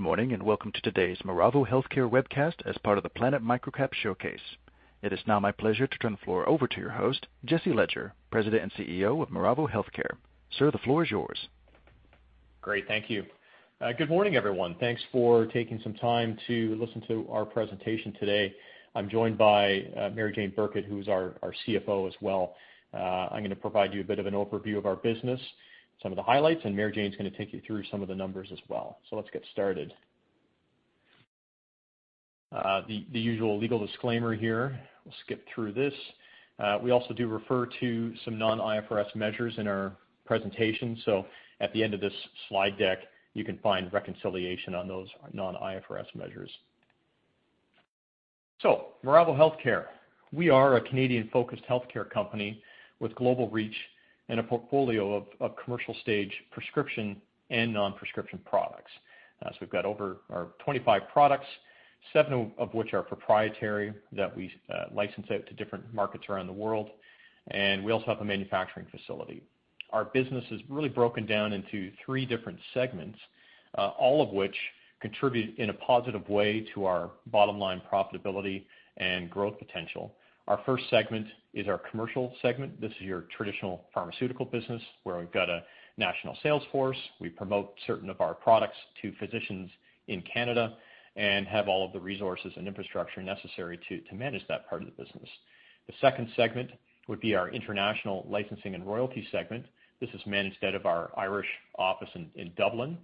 Good morning, and welcome to today's Miravo Healthcare webcast as part of the Planet MicroCap Showcase. It is now my pleasure to turn the floor over to your host, Jesse Ledger, President and CEO of Miravo Healthcare. Sir, the floor is yours. Great. Thank you. Good morning, everyone. Thanks for taking some time to listen to our presentation today. I'm joined by Mary-Jane Burkett, who's our CFO as well. I'm going to provide you a bit of an overview of our business, some of the highlights, and Mary-Jane's going to take you through some of the numbers as well. Let's get started. The usual legal disclaimer here. We'll skip through this. We also do refer to some non-IFRS measures in our presentation. At the end of this slide deck, you can find reconciliation on those non-IFRS measures. Miravo Healthcare. We are a Canadian-focused healthcare company with global reach and a portfolio of commercial-stage prescription and non-prescription products. We've got over 25 products, seven of which are proprietary, that we license out to different markets around the world. We also have a manufacturing facility. Our business is really broken down into three different segments, all of which contribute in a positive way to our bottom-line profitability and growth potential. Our first segment is our Commercial segment. This is your traditional pharmaceutical business, where we've got a national sales force. We promote certain of our products to physicians in Canada and have all of the resources and infrastructure necessary to manage that part of the business. The second segment would be our International Licensing and Royalty segment. This is managed out of our Irish office in Dublin.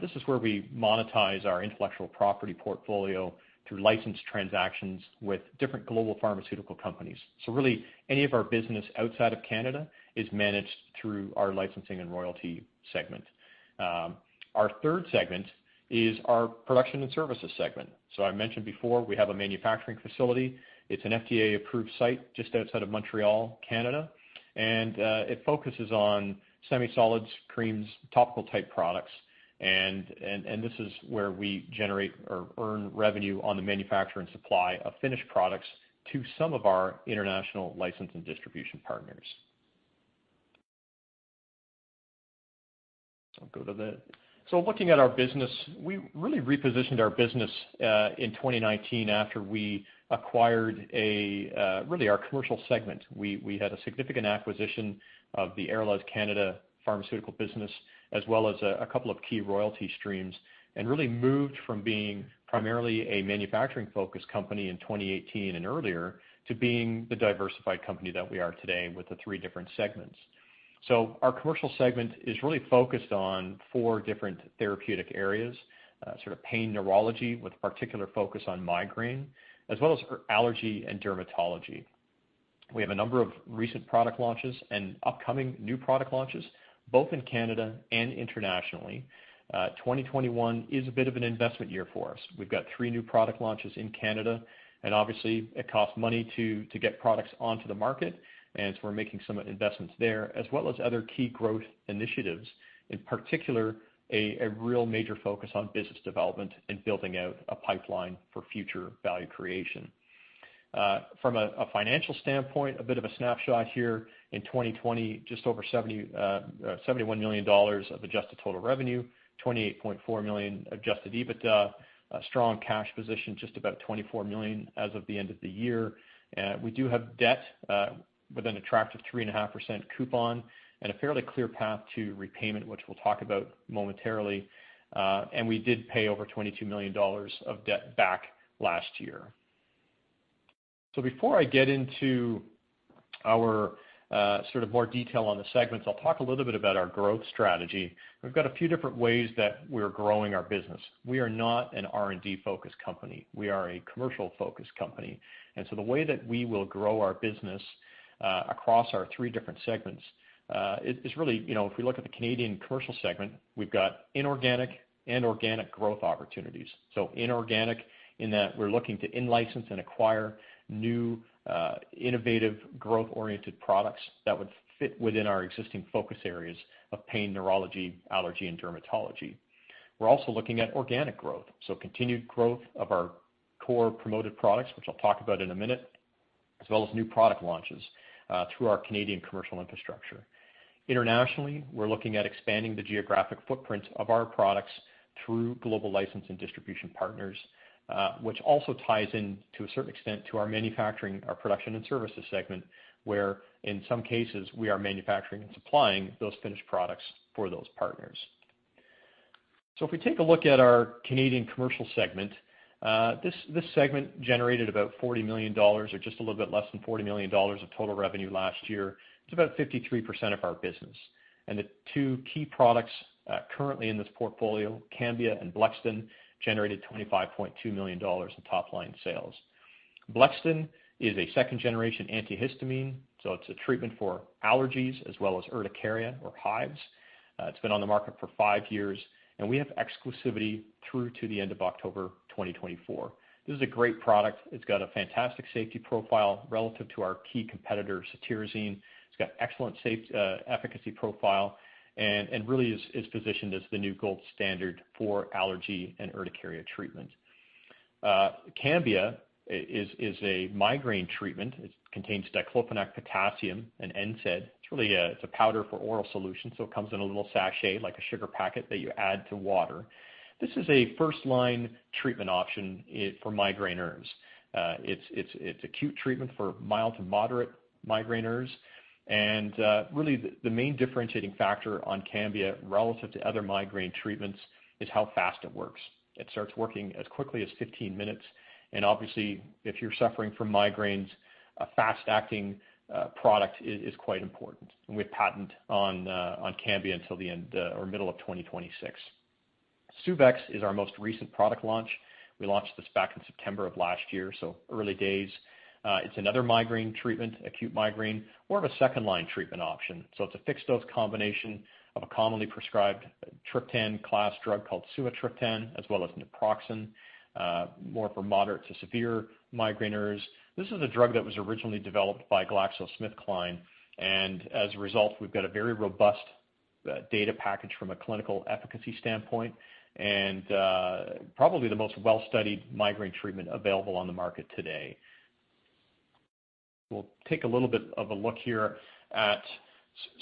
This is where we monetize our intellectual property portfolio through licensed transactions with different global pharmaceutical companies. Really, any of our business outside of Canada is managed through our Licensing and Royalty segment. Our third segment is our Production and Services Segment. I mentioned before, we have a manufacturing facility. It's an FDA-approved site just outside of Montreal, Canada, and it focuses on semi-solid creams, topical-type products. This is where we generate or earn revenue on the manufacture and supply of finished products to some of our international license and distribution partners. Looking at our business, we really repositioned our business in 2019 after we acquired really our Commercial segment. We had a significant acquisition of the Aralez Pharmaceuticals Canada business, as well as a couple of key royalty streams, and really moved from being primarily a manufacturing-focused company in 2018 and earlier to being the diversified company that we are today with the three different segments. Our Commercial segment is really focused on four different therapeutic areas, sort of pain neurology with a particular focus on migraine, as well as allergy and dermatology. We have a number of recent product launches and upcoming new product launches, both in Canada and internationally. 2021 is a bit of an investment year for us. We've got three new product launches in Canada, and obviously, it costs money to get products onto the market. We're making some investments there, as well as other key growth initiatives, in particular, a real major focus on business development and building out a pipeline for future value creation. From a financial standpoint, a bit of a snapshot here. In 2020, just over 71 million dollars of adjusted total revenue, 28.4 million Adjusted EBITDA. A strong cash position, just about 24 million as of the end of the year. We do have debt with an attractive 3.5% coupon and a fairly clear path to repayment, which we'll talk about momentarily. We did pay over 22 million dollars of debt back last year. Before I get into our sort of more detail on the segments, I'll talk a little bit about our growth strategy. We've got a few different ways that we're growing our business. We are not an R&D-focused company. We are a commercial-focused company. The way that we will grow our business across our three different segments is really if we look at the Canadian Commercial segment, we've got inorganic and organic growth opportunities. Inorganic in that we're looking to in-license and acquire new, innovative, growth-oriented products that would fit within our existing focus areas of pain neurology, allergy, and dermatology. We're also looking at organic growth, so continued growth of our core promoted products, which I'll talk about in a minute, as well as new product launches through our Canadian commercial infrastructure. Internationally, we're looking at expanding the geographic footprint of our products through global license and distribution partners, which also ties in, to a certain extent, to our manufacturing, our production and services segment, where in some cases, we are manufacturing and supplying those finished products for those partners. If we take a look at our Canadian Commercial segment, this segment generated about 40 million dollars or just a little bit less than 40 million dollars of total revenue last year. It's about 53% of our business. The two key products currently in this portfolio, Cambia and Blexten, generated 25.2 million dollars in top-line sales. Blexten is a 2nd-generation antihistamine, so it's a treatment for allergies as well as urticaria or hives. It's been on the market for five years, and we have exclusivity through to the end of October 2024. This is a great product. It's got a fantastic safety profile relative to our key competitor, cetirizine. It's got excellent efficacy profile and really is positioned as the new gold standard for allergy and urticaria treatment. Cambia is a migraine treatment. It contains diclofenac potassium, an NSAID. It's a powder for oral solution, so it comes in a little sachet, like a sugar packet that you add to water. This is a first-line treatment option for migraineurs. It's acute treatment for mild to moderate migraineurs. Really, the main differentiating factor on Cambia relative to other migraine treatments is how fast it works. It starts working as quickly as 15 minutes. Obviously, if you're suffering from migraines, a fast-acting product is quite important. We have patent on Cambia until the end or middle of 2026. Suvexx is our most recent product launch. We launched this back in September of last year, so early days. It's another migraine treatment, acute migraine, more of a second-line treatment option. It's a fixed-dose combination of a commonly prescribed triptan class drug called sumatriptan, as well as naproxen, more for moderate to severe migraineurs. This is a drug that was originally developed by GlaxoSmithKline, and as a result, we've got a very robust data package from a clinical efficacy standpoint, and probably the most well-studied migraine treatment available on the market today. We'll take a little bit of a look here at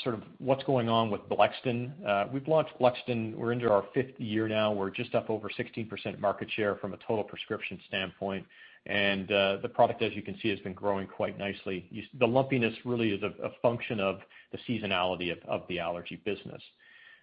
sort of what's going on with Blexten. We've launched Blexten. We're into our fifth year now. We're just up over 16% market share from a total prescription standpoint, and the product, as you can see, has been growing quite nicely. The lumpiness really is a function of the seasonality of the allergy business.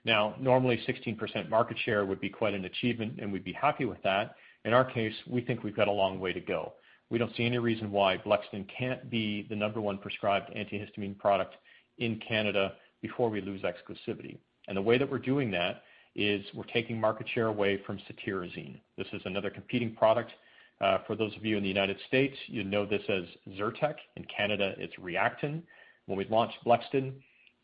Now, normally, 16% market share would be quite an achievement, and we'd be happy with that. In our case, we think we've got a long way to go. We don't see any reason why Blexten can't be the number one prescribed antihistamine product in Canada before we lose exclusivity. The way that we're doing that is we're taking market share away from cetirizine. This is another competing product. For those of you in the United States, you know this as ZYRTEC. In Canada, it's REACTINE. When we launched Blexten,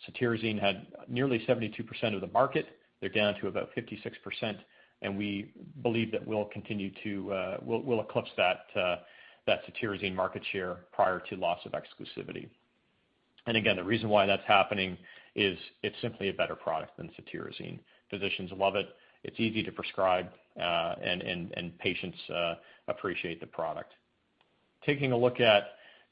cetirizine had nearly 72% of the market. They're down to about 56%, and we believe that we'll eclipse that cetirizine market share prior to loss of exclusivity. Again, the reason why that's happening is it's simply a better product than cetirizine. Physicians love it. It's easy to prescribe, and patients appreciate the product. Taking a look at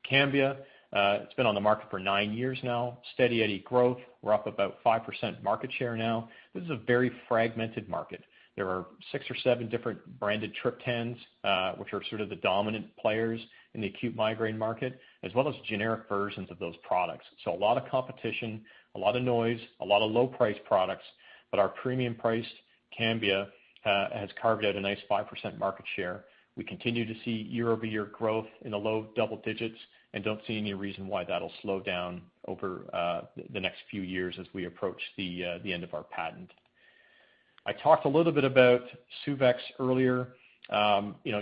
Cambia. It's been on the market for nine years now. Steady Eddie growth. We're up about 5% market share now. This is a very fragmented market. There are six or seven different branded triptans, which are sort of the dominant players in the acute migraine market, as well as generic versions of those products. So a lot of competition, a lot of noise, a lot of low-priced products, but our premium-priced Cambia has carved out a nice 5% market share. We continue to see year-over-year growth in the low double-digits and don't see any reason why that'll slow down over the next few years as we approach the end of our patent. I talked a little bit about Suvexx earlier.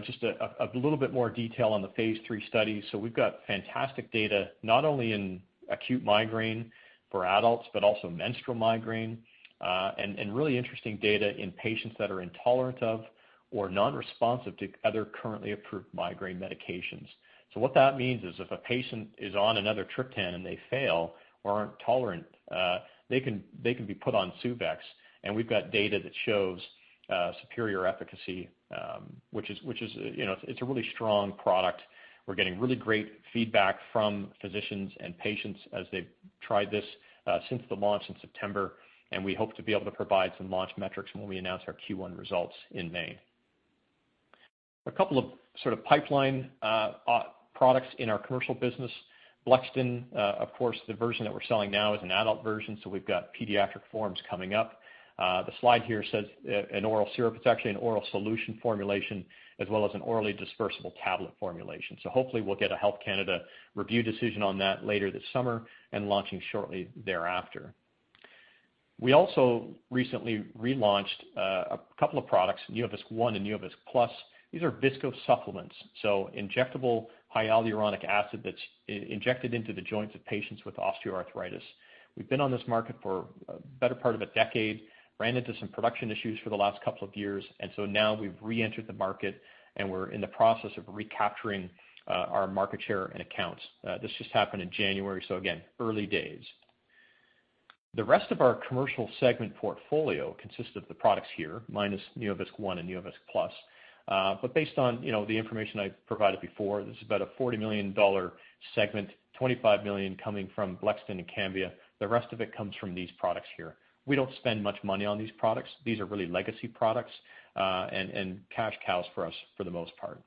Just a little bit more detail on the phase III study. We've got fantastic data, not only in acute migraine for adults, but also menstrual migraine, and really interesting data in patients that are intolerant of or non-responsive to other currently approved migraine medications. What that means is if a patient is on another triptan and they fail or aren't tolerant, they can be put on Suvexx, and we've got data that shows superior efficacy, which is a really strong product. We're getting really great feedback from physicians and patients as they've tried this since the launch in September, and we hope to be able to provide some launch metrics when we announce our Q1 results in May. A couple of sort of pipeline products in our commercial business. Blexten, of course, the version that we're selling now is an adult version, so we've got pediatric forms coming up. The slide here says an oral syrup. It's actually an oral solution formulation as well as an orally dispersible tablet formulation. Hopefully we'll get a Health Canada review decision on that later this summer and launching shortly thereafter. We also recently relaunched a couple of products, NeoVisc ONE and NeoVisc+. These are viscosupplements, so injectable hyaluronic acid that's injected into the joints of patients with osteoarthritis. We've been on this market for a better part of a decade, ran into some production issues for the last couple of years, and so now we've reentered the market and we're in the process of recapturing our market share and accounts. This just happened in January, so again, early days. The rest of our Commercial segment portfolio consists of the products here, minus NeoVisc ONE and NeoVisc+. Based on the information I provided before, this is about a 40 million dollar segment, 25 million coming from Blexten and Cambia. The rest of it comes from these products here. We don't spend much money on these products. These are really legacy products and cash cows for us for the most part.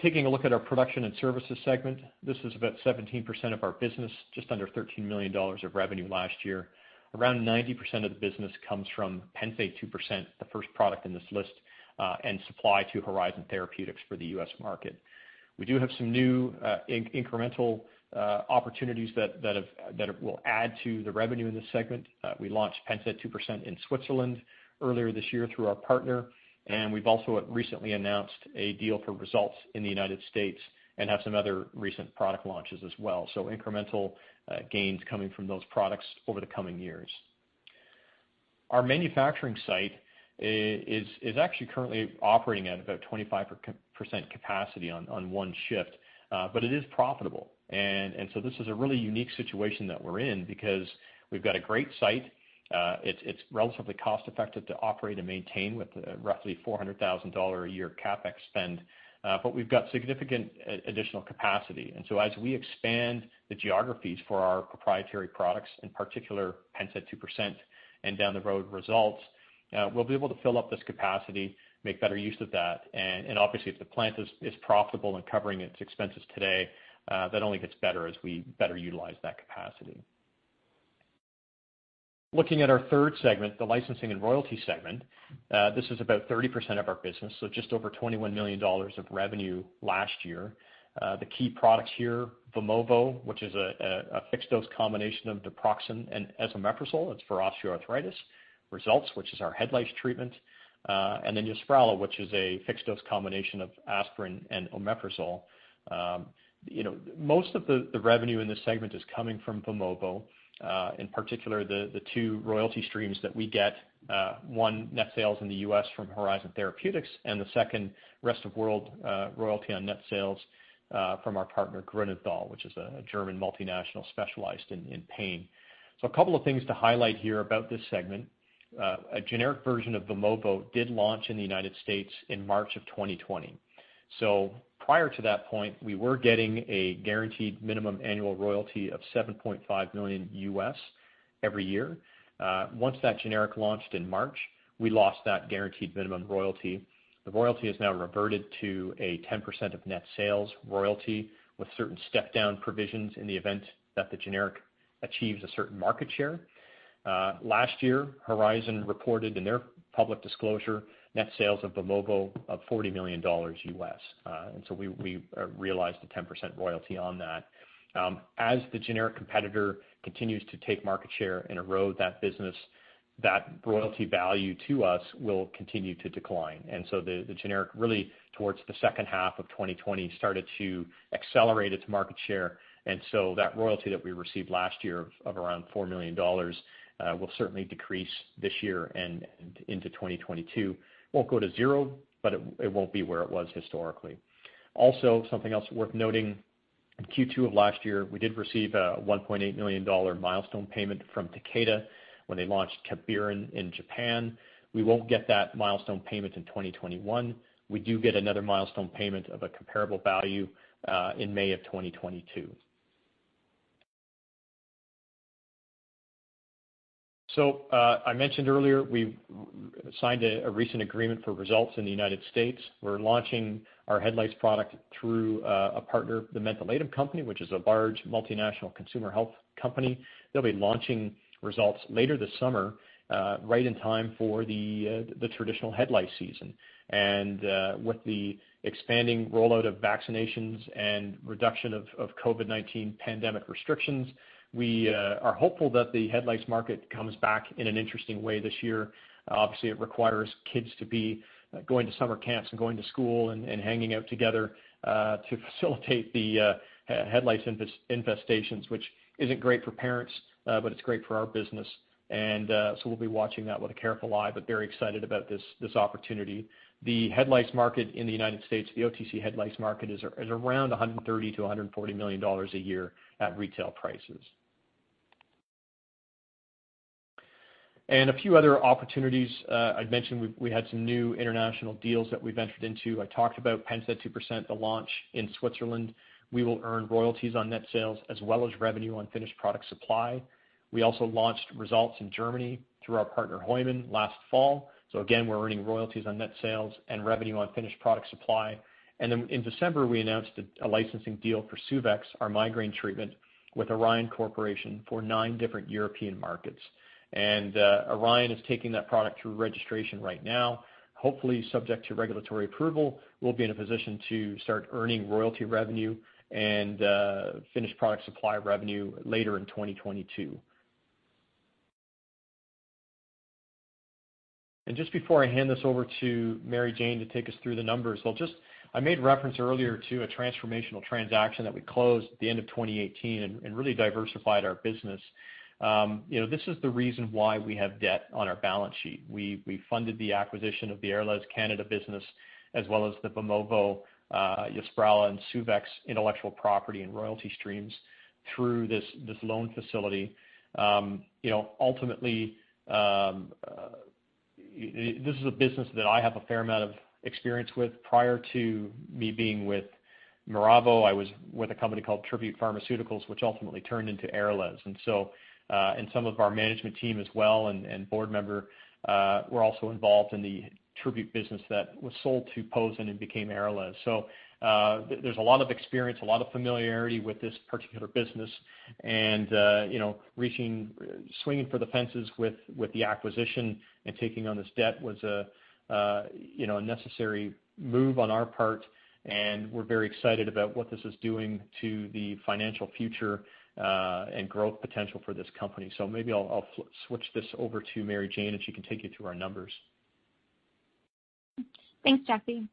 Taking a look at our Production and Services segment. This is about 17% of our business, just under 13 million dollars of revenue last year. Around 90% of the business comes from Pennsaid 2%, the first product in this list, and supply to Horizon Therapeutics for the U.S. market. We do have some new incremental opportunities that will add to the revenue in this segment. We launched Pennsaid 2% in Switzerland earlier this year through our partner, and we've also recently announced a deal for Resultz in the United States and have some other recent product launches as well. Incremental gains coming from those products over the coming years. Our manufacturing site is actually currently operating at about 25% capacity on one shift, but it is profitable, and this is a really unique situation that we're in because we've got a great site. It's relatively cost-effective to operate and maintain with roughly 400,000 dollar a year CapEx spend. We've got significant additional capacity. As we expand the geographies for our proprietary products, in particular, Pennsaid 2% and down the road Resultz, we'll be able to fill up this capacity, make better use of that. Obviously, if the plant is profitable and covering its expenses today, that only gets better as we better utilize that capacity. Looking at our third segment, the Licensing and Royalty segment. This is about 30% of our business, so just over 21 million dollars of revenue last year. The key products here, VIMOVO, which is a fixed dose combination of naproxen and esomeprazole, it's for osteoarthritis. Resultz, which is our head lice treatment. And then Yosprala, which is a fixed-dose combination of aspirin and omeprazole. Most of the revenue in this segment is coming from VIMOVO, in particular, the two royalty streams that we get. One, net sales in the U.S. from Horizon Therapeutics, and the second, rest of world royalty on net sales from our partner, Grünenthal, which is a German multinational specialized in pain. A couple of things to highlight here about this segment. A generic version of VIMOVO did launch in the U.S. in March of 2020. Prior to that point, we were getting a guaranteed minimum annual royalty of $7.5 million every year. Once that generic launched in March, we lost that guaranteed minimum royalty. The royalty is now reverted to a 10% of net sales royalty with certain step-down provisions in the event that the generic achieves a certain market share. Last year, Horizon reported in their public disclosure net sales of VIMOVO of $40 million. We realized a 10% royalty on that. As the generic competitor continues to take market share and erode that business, that royalty value to us will continue to decline. The generic, really towards the second half of 2020, started to accelerate its market share. That royalty that we received last year of around $4 million will certainly decrease this year and into 2022. Won't go to zero, but it won't be where it was historically. Also, something else worth noting, in Q2 of last year, we did receive a 1.8 million dollar milestone payment from Takeda when they launched Cabpirin in Japan. We won't get that milestone payment in 2021. We do get another milestone payment of a comparable value, in May of 2022. I mentioned earlier we signed a recent agreement for Resultz in the United States. We're launching our head lice product through a partner, the Mentholatum Company, which is a large multinational consumer health company. They'll be launching Resultz later this summer, right in time for the traditional head lice season. With the expanding rollout of vaccinations and reduction of COVID-19 pandemic restrictions, we are hopeful that the head lice market comes back in an interesting way this year. Obviously, it requires kids to be going to summer camps and going to school and hanging out together, to facilitate the head lice infestations, which isn't great for parents, but it's great for our business. We'll be watching that with a careful eye, but very excited about this opportunity. The head lice market in the United States, the OTC head lice market, is around $130 million-$140 million a year at retail prices. A few other opportunities. I'd mentioned we had some new international deals that we've entered into. I talked about Pennsaid 2%, the launch in Switzerland. We will earn royalties on net sales as well as revenue on finished product supply. We also launched Resultz in Germany through our partner Heumann last fall. Again, we're earning royalties on net sales and revenue on finished product supply. In December, we announced a licensing deal for Suvexx, our migraine treatment, with Orion Corporation for nine different European markets. Orion is taking that product through registration right now. Hopefully, subject to regulatory approval, we'll be in a position to start earning royalty revenue and finished product supply revenue later in 2022. Just before I hand this over to Mary-Jane to take us through the numbers, I made reference earlier to a transformational transaction that we closed at the end of 2018 and really diversified our business. This is the reason why we have debt on our balance sheet. We funded the acquisition of the Aralez Canada business as well as the VIMOVO, Yosprala, and Suvexx intellectual property and royalty streams through this loan facility. Ultimately, this is a business that I have a fair amount of experience with. Prior to me being with Miravo, I was with a company called Tribute Pharmaceuticals, which ultimately turned into Aralez. Some of our management team as well and board member were also involved in the Tribute business that was sold to POZEN and became Aralez. There's a lot of experience, a lot of familiarity with this particular business and swinging for the fences with the acquisition and taking on this debt was a necessary move on our part, and we're very excited about what this is doing to the financial future, and growth potential for this company. Maybe I'll switch this over to Mary-Jane, and she can take you through our numbers. Thanks, Jesse.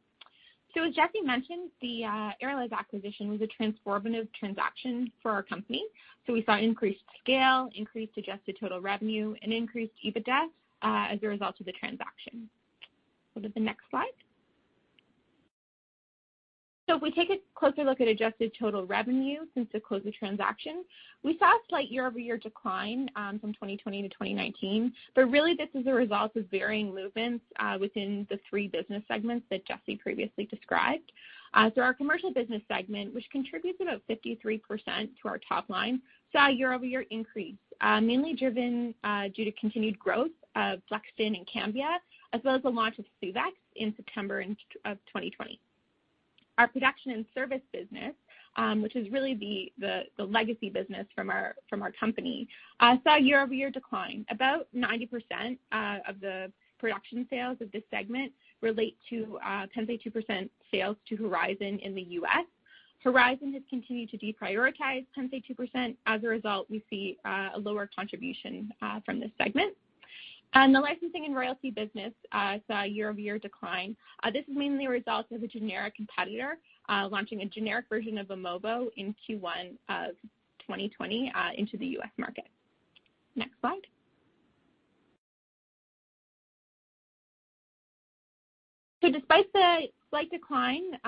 As Jesse mentioned, the Aralez acquisition was a transformative transaction for our company. We saw increased scale, increased adjusted total revenue, and increased EBITDA as a result of the transaction. Go to the next slide. If we take a closer look at adjusted total revenue since the close of transaction, we saw a slight year-over-year decline from 2019 to 2020, but really this is a result of varying movements within the three business segments that Jesse previously described. Our Commercial business segment, which contributes about 53% to our top-line, saw a year-over-year increase, mainly driven due to continued growth of Blexten and Cambia, as well as the launch of Suvexx in September of 2020. Our production and service business, which is really the legacy business from our company, saw a year-over-year decline. About 90% of the production sales of this segment relate to Pennsaid 2% sales to Horizon in the U.S. Horizon has continued to deprioritize Pennsaid 2%. As a result, we see a lower contribution from this segment. The Licensing and Royalty business saw a year-over-year decline. This is mainly a result of a generic competitor launching a generic version of VIMOVO in Q1 of 2020 into the U.S. market. Next slide. Despite the slight decline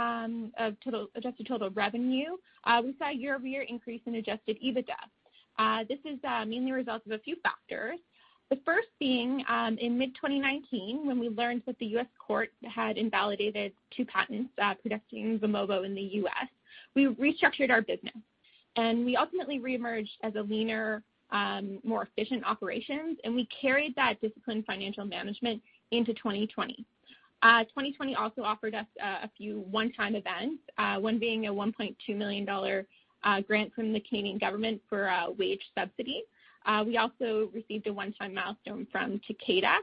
of adjusted total revenue, we saw a year-over-year increase in Adjusted EBITDA. This is mainly a result of a few factors. The first being, in mid-2019, when we learned that the U.S. court had invalidated two patents protecting VIMOVO in the U.S., we restructured our business. We ultimately reemerged as a leaner, more efficient operations, and we carried that disciplined financial management into 2020. 2020 also offered us a few one-time events, one being a 1.2 million dollar grant from the Canadian government for wage subsidies. We also received a one-time milestone from Takeda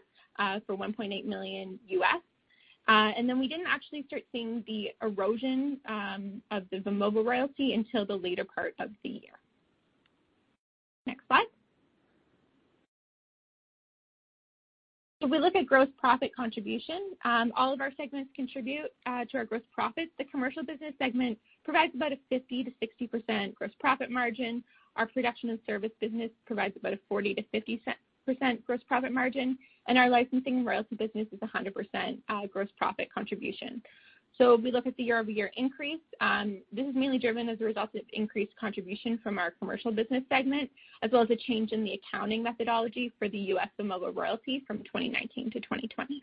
for $1.8 million. We didn't actually start seeing the erosion of the VIMOVO royalty until the later part of the year. Next slide. If we look at gross profit contribution, all of our segments contribute to our gross profits. The Commercial business segment provides about a 50%-60% gross profit margin. Our Production and Service business provides about a 40%-50% gross profit margin, and our Licensing and Royalty business is 100% gross profit contribution. If we look at the year-over-year increase, this is mainly driven as a result of increased contribution from our Commercial business segment, as well as a change in the accounting methodology for the U.S. VIMOVO royalty from 2019 to 2020.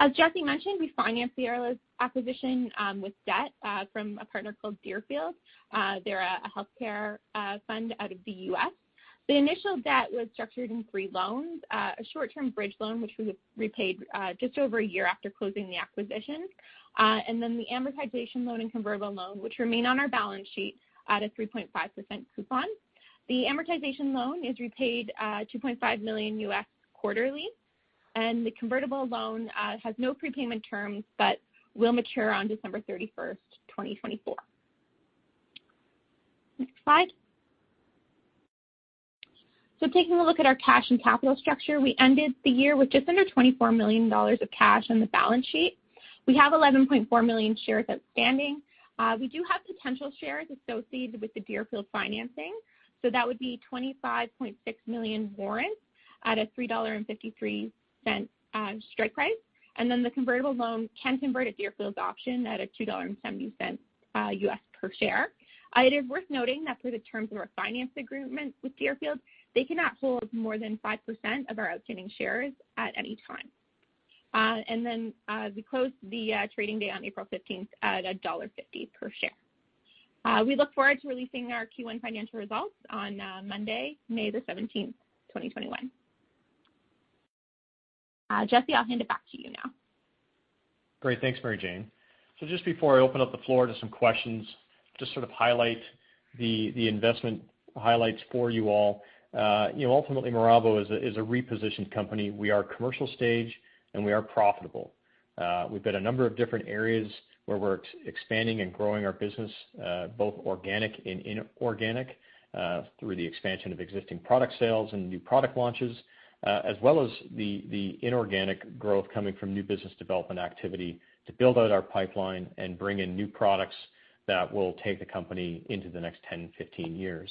Next. As Jesse mentioned, we financed the Aralez acquisition with debt from a partner called Deerfield. They're a healthcare fund out of the U.S. The initial debt was structured in three loans. A short-term bridge loan, which was repaid just over a year after closing the acquisition. The amortization loan and convertible loan, which remain on our balance sheet at a 3.5% coupon. The amortization loan is repaid $2.5 million quarterly, and the convertible loan has no prepayment terms but will mature on December 31st, 2024. Next slide. Taking a look at our cash and capital structure, we ended the year with just under 24 million dollars of cash on the balance sheet. We have 11.4 million shares outstanding. We do have potential shares associated with the Deerfield financing. That would be 25.6 million warrants at a 3.53 dollar strike price. The convertible loan can convert at Deerfield's option at a $2.70 per share. It is worth noting that per the terms of our finance agreement with Deerfield, they cannot hold more than 5% of our outstanding shares at any time. We closed the trading day on April 15th at $1.50 per share. We look forward to releasing our Q1 financial results on Monday, May the 17th, 2021. Jesse, I'll hand it back to you now. Great. Thanks, Mary-Jane. Just before I open up the floor to some questions, just sort of highlight the investment highlights for you all. Ultimately Miravo is a repositioned company. We are commercial stage, and we are profitable. We've got a number of different areas where we're expanding and growing our business, both organic and inorganic, through the expansion of existing product sales and new product launches, as well as the inorganic growth coming from new business development activity to build out our pipeline and bring in new products that will take the company into the next 10, 15 years.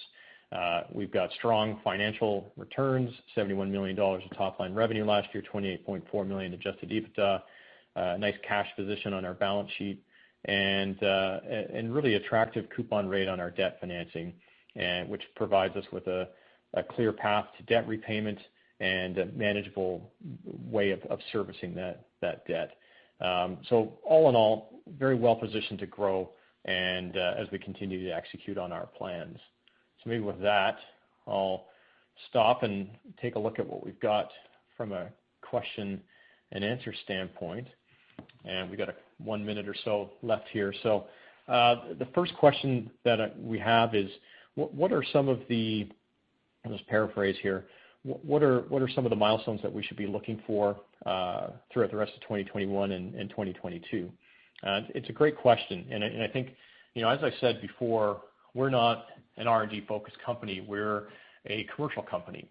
We've got strong financial returns, 71 million dollars in top-line revenue last year, 28.4 million Adjusted EBITDA, a nice cash position on our balance sheet, and really attractive coupon rate on our debt financing, which provides us with a clear path to debt repayment and a manageable way of servicing that debt. All in all, very well-positioned to grow and as we continue to execute on our plans. Maybe with that, I'll stop and take a look at what we've got from a question-and-answer standpoint. We got one minute or so left here. The first question that we have is, what are some of the milestones that we should be looking for throughout the rest of 2021 and 2022? It's a great question, and I think, as I said before, we're not an R&D-focused company. We're a commercial company.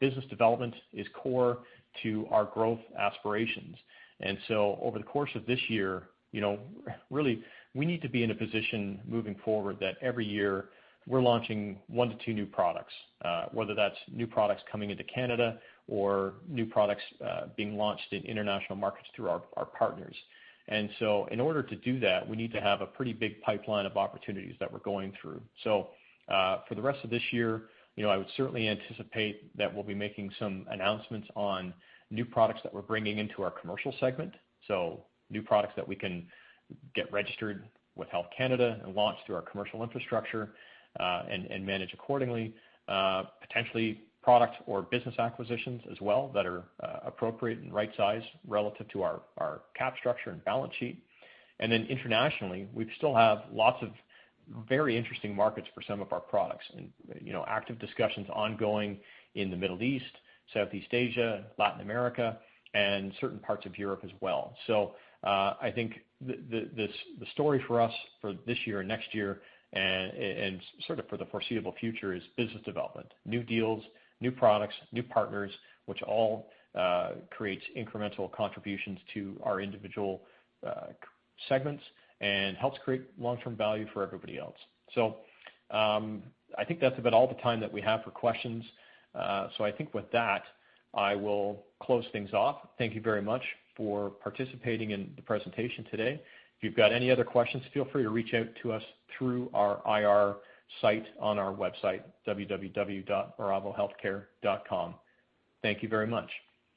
Business development is core to our growth aspirations. Over the course of this year, really, we need to be in a position moving forward that every year we're launching one to two new products, whether that's new products coming into Canada or new products being launched in international markets through our partners. In order to do that, we need to have a pretty big pipeline of opportunities that we're going through. For the rest of this year, I would certainly anticipate that we'll be making some announcements on new products that we're bringing into our Commercial segment. New products that we can get registered with Health Canada and launch through our commercial infrastructure, and manage accordingly. Potentially products or business acquisitions as well that are appropriate and right size relative to our capital structure and balance sheet. Internationally, we still have lots of very interesting markets for some of our products and active discussions ongoing in the Middle East, Southeast Asia, Latin America, and certain parts of Europe as well. I think the story for us for this year and next year and sort of for the foreseeable future is business development, new deals, new products, new partners, which all creates incremental contributions to our individual segments and helps create long-term value for everybody else. I think that's about all the time that we have for questions. I think with that, I will close things off. Thank you very much for participating in the presentation today. If you've got any other questions, feel free to reach out to us through our IR site on our website, www.miravohealthcare.com. Thank you very much.